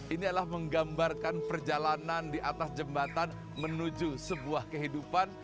ini adalah menggambarkan perjalanan di atas jembatan menuju sebuah kehidupan